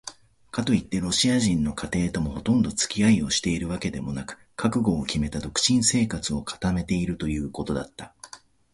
かといってロシア人の家庭ともほとんどつき合いをしているわけでもなく、覚悟をきめた独身生活を固めているということだった。